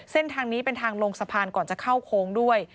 เส้นทางนี้เป็นทางลงสะพานก่อนจะเข้าโค้งด้วย